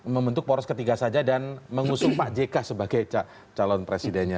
membentuk poros ketiga saja dan mengusung pak jk sebagai calon presidennya